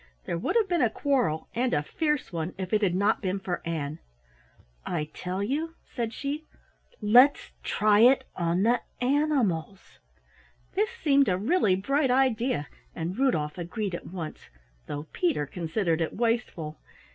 There would have been a quarrel, and a fierce one, if it had not been for Ann. "I tell you," said she, "let's try it on the animals!" This seemed a really bright idea, and Rudolf agreed at once, though Peter considered it wasteful.